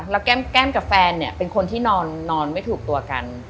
แล้วแก้มกับแฟนเนี่ยเป็นคนที่นอนไม่ถูกตัวกัน